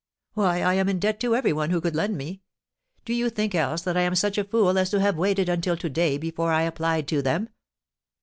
"Why, I am in debt to every one who could lend me. Do you think else that I am such a fool as to have waited until to day before I applied to them?"